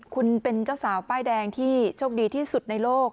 คุณเป็นเจ้าสาวป้ายแดงที่โชคดีที่สุดในโลก